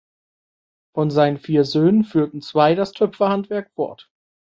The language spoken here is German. Von seinen vier Söhnen führten zwei das Töpferhandwerk fort.